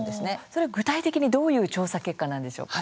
それは具体的にどういう調査結果なんでしょうか？